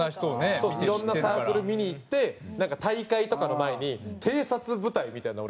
いろんなサークル見に行ってなんか大会とかの前に偵察部隊みたいなの俺